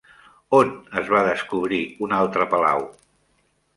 On es va descobrir un altre palau?